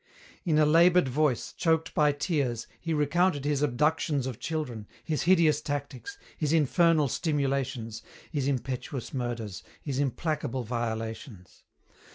In a laboured voice, choked by tears, he recounted his abductions of children, his hideous tactics, his infernal stimulations, his impetuous murders, his implacable violations.